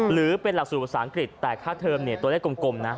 หรือเป็นหลักสูตรภาษาอังกฤษแต่ค่าเทอมตัวเลขกลมนะ